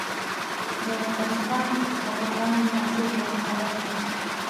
د قهستان حکمران ناصر لک خبر شو.